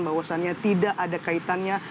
bahwasannya tidak ada kaitannya